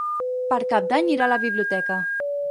Per Cap d'Any irà a la biblioteca.